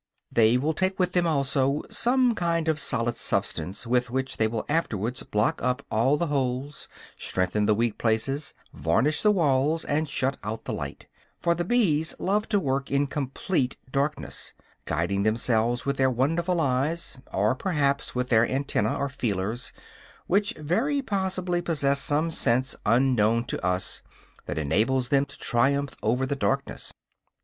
They will take with them also some kind of solid substance with which they will afterwards block up all the holes, strengthen weak places, varnish the walls and shut out the light; for the bees love to work in complete darkness, guiding themselves with their wonderful eyes, or perhaps with their antennæ, or feelers, which very possibly possess some sense, unknown to us, that enables them to triumph over the darkness.